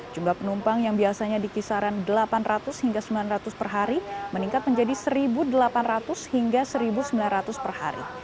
jumlah penumpang yang biasanya di kisaran delapan ratus hingga sembilan ratus per hari meningkat menjadi satu delapan ratus hingga satu sembilan ratus per hari